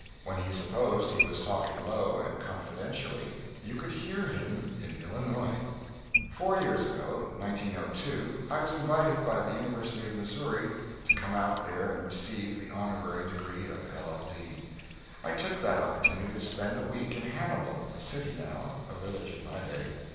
When he supposed he was talking low and confidentially, you could hear him in Illinois. Four years ago (1902) I was invited by the University of Missouri to come out there and receive the honorary degree of LL.D. I took that opportunity to spend a week in Hannibal a city now, a village in my day.